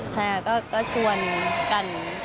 ใช่ค่ะก็ชวนกัน